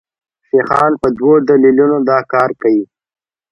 شیخان په دوو دلیلونو دا کار کوي.